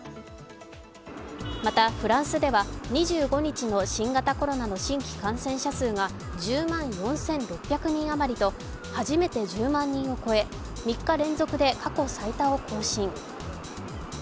また、フランスでは２５日の新型コロナの新規感染者数が１０万４６００人あまりと初めて１０万人を超え３日連続で過去最多を更新。